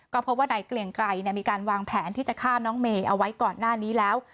ก็พบว่านายเกลียงไกรมีการวางแผนที่จะฆ่าน้องเมย์เอาไว้ก่อนหน้านี้แล้ว